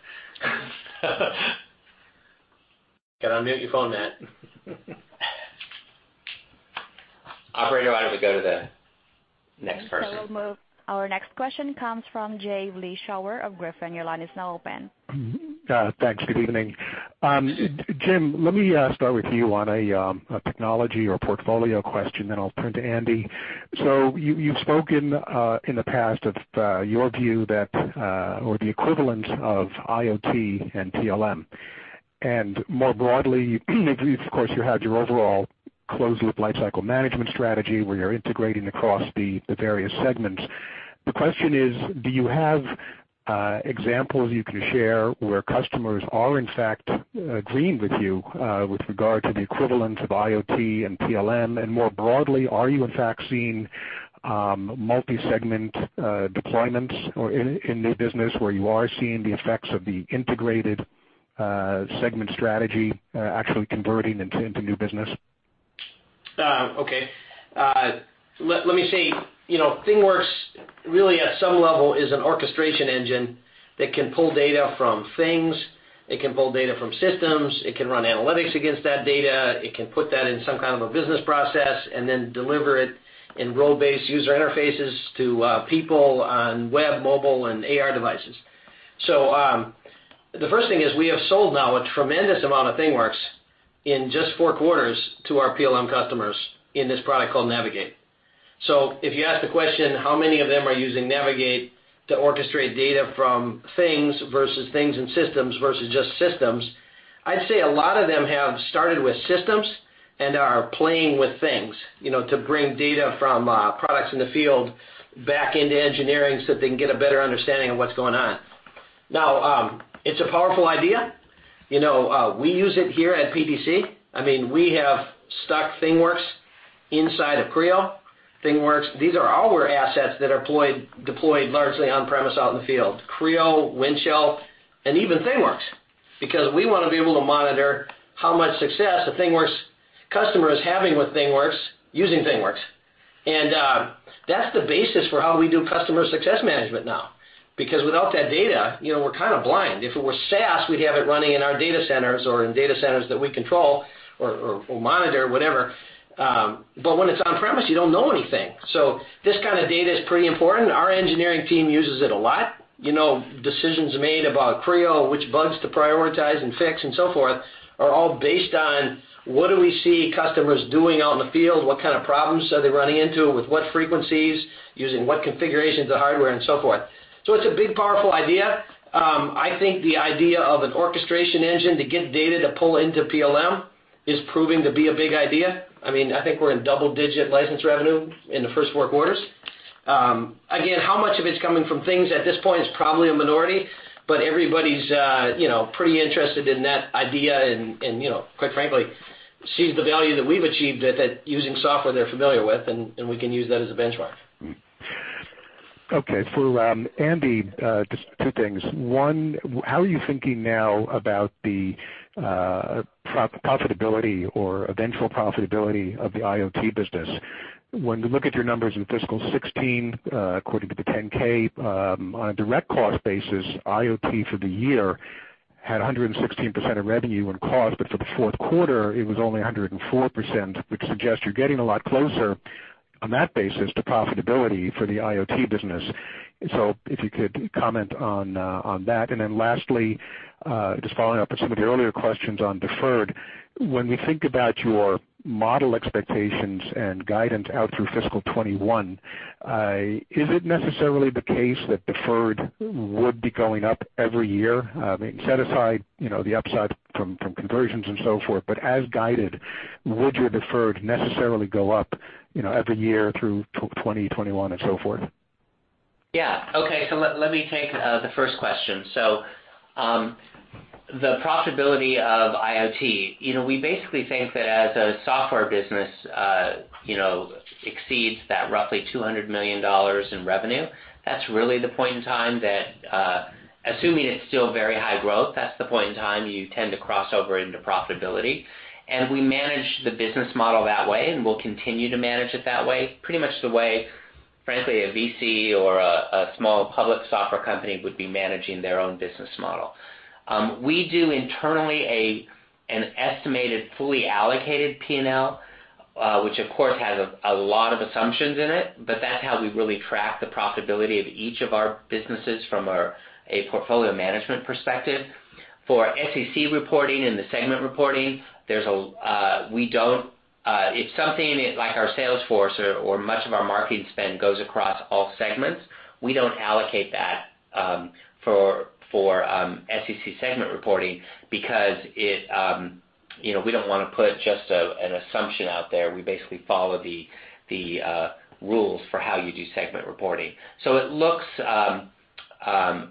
Got to unmute your phone, Matt. Operator, why don't we go to the next person? Our next question comes from Jay Vleeschhouwer of Griffin. Your line is now open. Thanks. Good evening. Jim, let me start with you on a technology or portfolio question, then I'll turn to Andy. You've spoken in the past of your view that or the equivalent of IoT and PLM. More broadly, you've, of course, had your overall closed loop lifecycle management strategy where you're integrating across the various segments. The question is, do you have examples you can share where customers are in fact agreeing with you with regard to the equivalent of IoT and PLM? More broadly, are you in fact seeing multi-segment deployments or in new business where you are seeing the effects of the integrated segment strategy actually converting into new business? Okay. Let me say, ThingWorx really at some level is an orchestration engine that can pull data from things, it can pull data from systems, it can run analytics against that data, it can put that in some kind of a business process, and then deliver it in role-based user interfaces to people on web, mobile, and AR devices. The first thing is, we have sold now a tremendous amount of ThingWorx in just 4 quarters to our PLM customers in this product called Navigate. If you ask the question, how many of them are using Navigate to orchestrate data from things versus things and systems versus just systems? I'd say a lot of them have started with systems and are playing with things, to bring data from products in the field back into engineering so that they can get a better understanding of what's going on. It's a powerful idea. We use it here at PTC. We have stuck ThingWorx inside of Creo. ThingWorx, these are our assets that are deployed largely on-premise out in the field. Creo, Windchill, and even ThingWorx, because we want to be able to monitor how much success a ThingWorx customer is having with ThingWorx, using ThingWorx. That's the basis for how we do customer success management now. Because without that data, we're kind of blind. If it were SaaS, we'd have it running in our data centers or in data centers that we control or monitor, whatever. When it's on-premise, you don't know anything. This kind of data is pretty important. Our engineering team uses it a lot. Decisions made about Creo, which bugs to prioritize and fix and so forth, are all based on what do we see customers doing out in the field, what kind of problems are they running into, with what frequencies, using what configurations of hardware, and so forth. It's a big, powerful idea. I think the idea of an orchestration engine to get data to pull into PLM is proving to be a big idea. I think we're in double-digit license revenue in the first 4 quarters. Again, how much of it's coming from things at this point is probably a minority, but everybody's pretty interested in that idea, and quite frankly, sees the value that we've achieved at that using software they're familiar with, and we can use that as a benchmark. Okay. For Andy, just 2 things. One, how are you thinking now about the profitability or eventual profitability of the IoT business? When we look at your numbers in FY 2016, according to the 10-K, on a direct cost basis, IoT for the year had 116% of revenue and cost, but for the 4th quarter, it was only 104%, which suggests you're getting a lot closer, on that basis, to profitability for the IoT business. If you could comment on that. Lastly, just following up with some of the earlier questions on deferred, when we think about your model expectations and guidance out through FY 2021, is it necessarily the case that deferred would be going up every year? Set aside the upside from conversions and so forth, but as guided, would your deferred necessarily go up every year through 2021 and so forth? Okay. Let me take the first question. The profitability of IoT. We basically think that as a software business exceeds that roughly $200 million in revenue, that's really the point in time that, assuming it's still very high growth, that's the point in time you tend to cross over into profitability. We manage the business model that way, and we'll continue to manage it that way. Pretty much the way, frankly, a VC or a small public software company would be managing their own business model. We do internally an estimated fully allocated P&L, which of course, has a lot of assumptions in it, but that's how we really track the profitability of each of our businesses from a portfolio management perspective. For SEC reporting and the segment reporting, if something like our sales force or much of our marketing spend goes across all segments, we don't allocate that for SEC segment reporting because we don't want to put just an assumption out there. We basically follow the rules for how you do segment reporting. It looks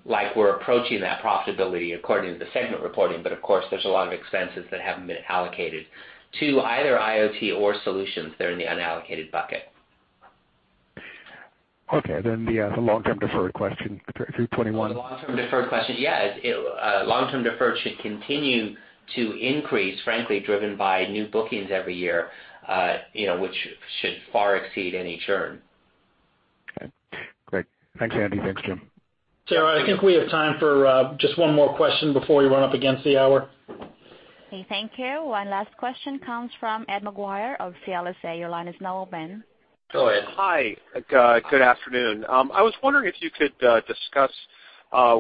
like we're approaching that profitability according to the segment reporting, but of course, there's a lot of expenses that haven't been allocated to either IoT or solutions that are in the unallocated bucket. Okay. The long-term deferred question through 2021. The long-term deferred question. Long-term deferred should continue to increase, frankly, driven by new bookings every year, which should far exceed any churn. Okay. Great. Thanks, Andy. Thanks, Jim. Tara, I think we have time for just one more question before we run up against the hour. Okay, thank you. One last question comes from Ed Maguire of CLSA. Your line is now open. Go ahead. Hi. Good afternoon. I was wondering if you could discuss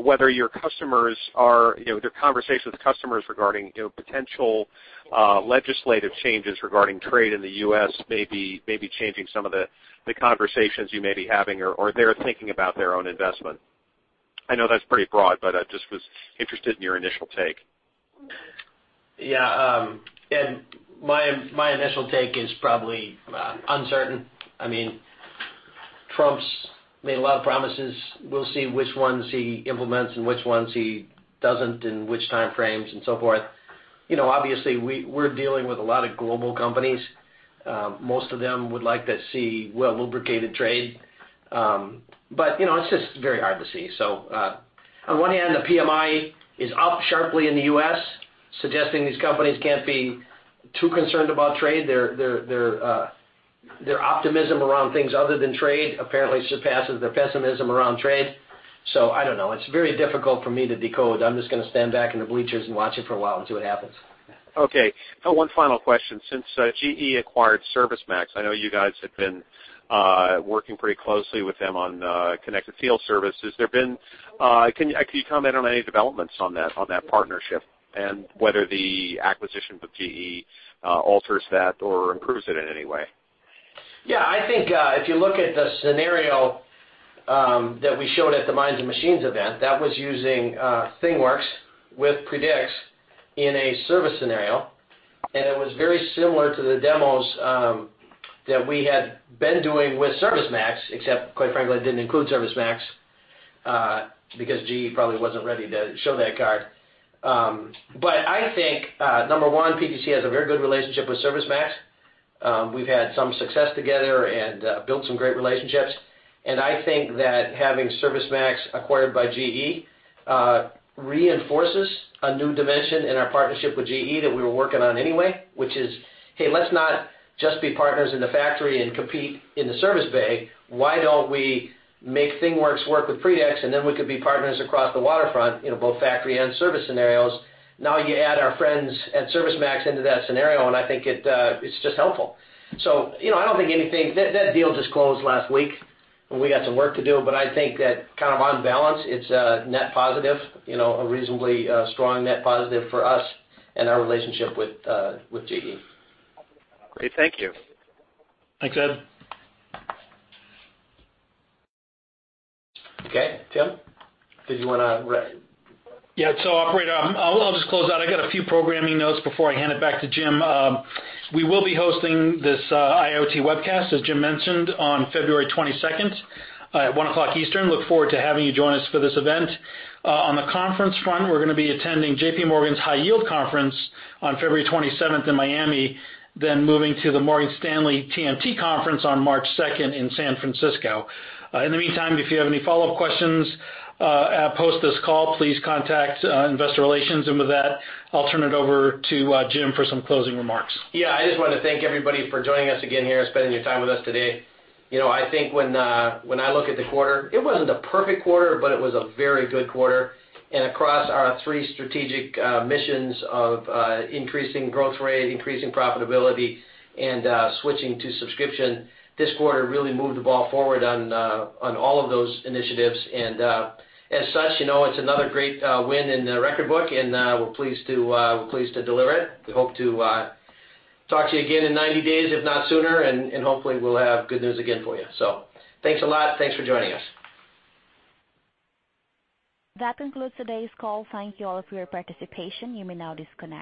whether your conversations with customers regarding potential legislative changes regarding trade in the U.S. may be changing some of the conversations you may be having, or they're thinking about their own investment. I know that's pretty broad, but I just was interested in your initial take. Yeah. Ed, my initial take is probably uncertain. Trump's made a lot of promises. We'll see which ones he implements and which ones he doesn't, in which time frames and so forth. Obviously, we're dealing with a lot of global companies. Most of them would like to see well-lubricated trade. It's just very hard to see. On one hand, the PMI is up sharply in the U.S., suggesting these companies can't be too concerned about trade. Their optimism around things other than trade apparently surpasses their pessimism around trade. I don't know. It's very difficult for me to decode. I'm just going to stand back in the bleachers and watch it for a while and see what happens. Okay. One final question. Since GE acquired ServiceMax, I know you guys have been working pretty closely with them on connected field service. Can you comment on any developments on that partnership, and whether the acquisition of GE alters that or improves it in any way? Yeah, I think if you look at the scenario that we showed at the Minds + Machines event, that was using ThingWorx with Predix in a service scenario, and it was very similar to the demos that we had been doing with ServiceMax, except, quite frankly, it didn't include ServiceMax because GE probably wasn't ready to show that card. I think, number one, PTC has a very good relationship with ServiceMax. We've had some success together and built some great relationships, and I think that having ServiceMax acquired by GE reinforces a new dimension in our partnership with GE that we were working on anyway, which is, hey, let's not just be partners in the factory and compete in the service bay. Why don't we make ThingWorx work with Predix, and then we could be partners across the waterfront, both factory and service scenarios. You add our friends at ServiceMax into that scenario, and I think it's just helpful. That deal just closed last week, and we got some work to do, but I think that kind of on balance, it's a net positive, a reasonably strong net positive for us and our relationship with GE. Great. Thank you. Thanks, Ed. Okay. Tim, did you want to wrap? Operator, I'll just close out. I got a few programming notes before I hand it back to Jim. We will be hosting this IoT webcast, as Jim mentioned, on February 22nd at one o'clock Eastern. Look forward to having you join us for this event. On the conference front, we're going to be attending JPMorgan's High Yield conference on February 27th in Miami, then moving to the Morgan Stanley TMT conference on March 2nd in San Francisco. In the meantime, if you have any follow-up questions post this call, please contact investor relations. With that, I'll turn it over to Jim for some closing remarks. Yeah. I just want to thank everybody for joining us again here and spending your time with us today. I think when I look at the quarter, it wasn't a perfect quarter, but it was a very good quarter. Across our three strategic missions of increasing growth rate, increasing profitability, and switching to subscription, this quarter really moved the ball forward on all of those initiatives. As such, it's another great win in the record book, and we're pleased to deliver it. We hope to talk to you again in 90 days, if not sooner, and hopefully we'll have good news again for you. Thanks a lot. Thanks for joining us. That concludes today's call. Thank you all for your participation. You may now disconnect.